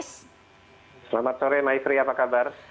selamat sore maifri apa kabar